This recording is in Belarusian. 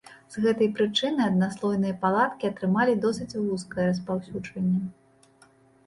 З гэтай прычыны аднаслойныя палаткі атрымалі досыць вузкае распаўсюджанне.